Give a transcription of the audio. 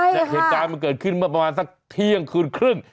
เหตุการณ์มันเกิดขึ้นเมื่อประมาณสักเที่ยงคืนครึ่ง